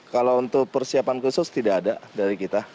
kalau untuk persiapan khusus tidak ada dari kita